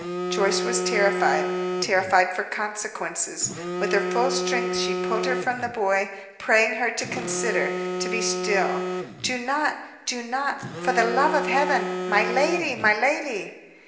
Joyce was terrified terrified for consequences. With her full strength she pulled her from the boy, praying her to consider to be still. "Do not, do not, for the love of Heaven! My lady! My lady!"